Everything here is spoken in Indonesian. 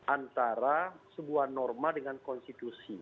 antara sebuah norma dengan konstitusi